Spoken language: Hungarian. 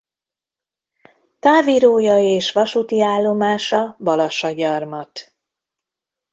Távírója és vasúti állomása Balassagyarmat.